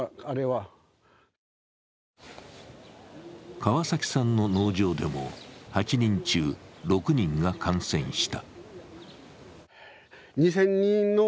川崎さんの農場でも８人中６人が感染した。